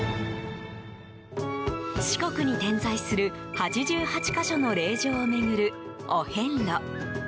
四国に点在する８８か所の霊場を巡るお遍路。